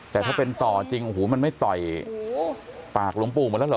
แต่ถ้าเป็นต่อจริงโอ้โหมันไม่ต่อยปากหลวงปู่หมดแล้วเหรอ